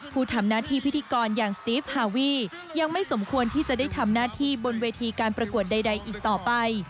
ผู้ทำหน้าที่พิธีกรอย่างสติฟฮาวียังไม่สมควรที่จะได้ทำหน้าที่บนเวทีการประกวดใดอีกต่อไป